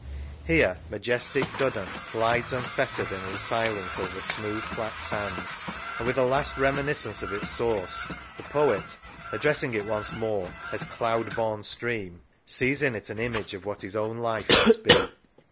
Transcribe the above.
Here "Vnajestic Duddon glides unfettered and in silence over smooth flat sands," and with a last reminiscence of its source, the poet, addressing it once more as " cloud born stream," sees in it an image of what his own life must be.